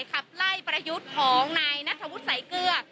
ขับไล่ประยุทธ์ของนายนัทธวุฒิสายเกลือ